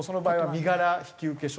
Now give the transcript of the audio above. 身柄引受書？